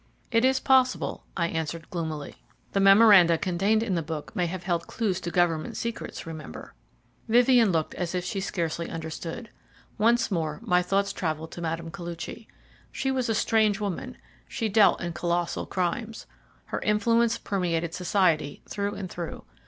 "It is possible," I answered gloomily. "The memoranda contained in the book may have held clues to Government secrets, remember." Vivien looked as if she scarcely understood. Once more my thoughts travelled to Mme. Koluchy. She was a strange woman she dealt in colossal crimes. Her influence permeated society through and through.